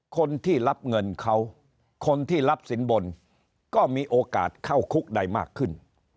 คนที่รับเงินเขาคนที่รับสินบนก็มีโอกาสเข้าคุกได้มากขึ้น